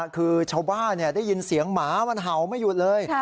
คือชาวบ้านได้ยินเสียงหมามันเห่าไม่หยุดเลย